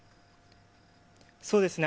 そうですね。